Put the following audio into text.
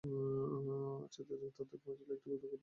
আচার্যদেব তথায় পৌঁছিলে একটি কৌতুককর ঘটনা ঘটিল।